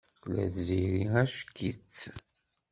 Tella Tiziri ack-itt.